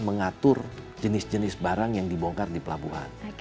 mengatur jenis jenis barang yang dibongkar di pelabuhan